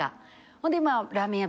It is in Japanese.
ほんでまあラーメン屋